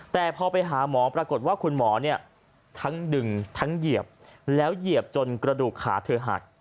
แต่พอไปหาหมอปรากฏว่าคุณหมอเนี่ยทั้งดึงทั้งเหยียบแล้วเหยียบจนกระดูกขาเธอหัก